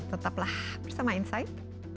tetaplah bersama insight